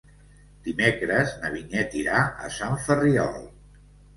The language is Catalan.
Dimecres na Vinyet irà a Sant Ferriol.